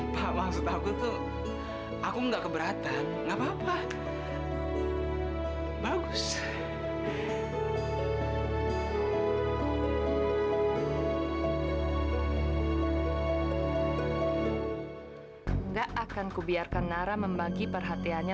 sampai jumpa di video selanjutnya